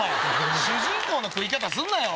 主人公の食い方すんなよ！